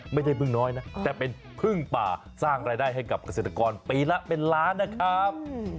พึ่งน้อยนะแต่เป็นพึ่งป่าสร้างรายได้ให้กับเกษตรกรปีละเป็นล้านนะครับ